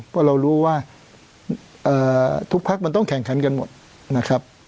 เพราะเรารู้ว่าทุกพักมันต้องแข่งขันกันหมดนะครับ